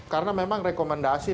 karena memang rekomendasi